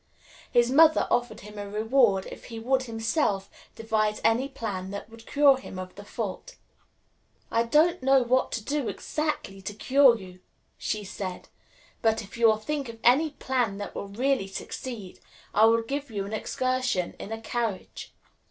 His mother offered him a reward if he would himself devise any plan that would cure him of the fault. "I don't know what to do, exactly, to cure you," she said; "but if you will think of any plan that will really succeed, I will give you an excursion in a carriage."